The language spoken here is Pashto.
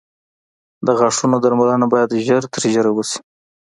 د غاښونو درملنه باید ژر تر ژره وشي.